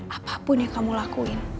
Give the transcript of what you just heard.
apapun yang kamu lakuin